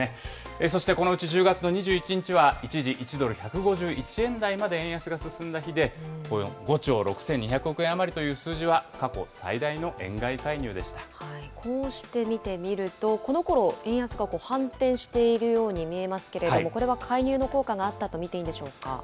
そしてこのうち１０月の２１日は、一時１ドル１５１円台まで円安が進んだ日で、５兆６２００億円余りという数字は、過去最大の円買こうして見てみると、このころ、円安が反転しているように見えますけれども、これは介入の効果があったと見ていいんでしょうか。